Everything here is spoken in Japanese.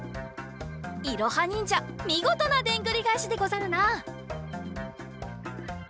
いろはにんじゃみごとなでんぐりがえしでござるな！